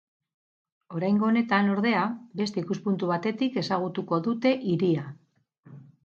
Oraingo honetan, ordea, beste ikuspuntu batetik ezagutuko dute hiria.